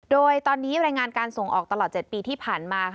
โดยตอนนี้รายงานการส่งออกตลอด๗ปีที่ผ่านมา